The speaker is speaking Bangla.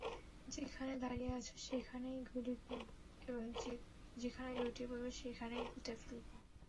যেখানে দাঁড়িয়ে আছো সেখানেই গুলি করব, এবং যেখানে লুটিয়ে পড়বে সেখানেই পুঁতে ফেলব।